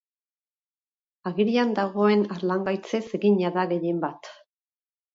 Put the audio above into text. Agirian dagoen harlangaitzez egina da gehienbat.